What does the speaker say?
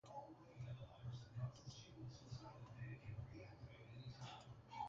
Soon afterward, the tribunes themselves appointed Sicinius and two others as their colleagues.